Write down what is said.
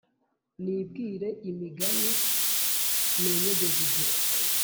nibwire imigani nenyegeze igihe